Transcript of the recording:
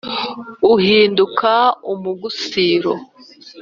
uhinduka umugusiro